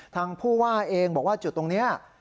ทางผู้ว่าเองบอกว่าจุดตรงนี้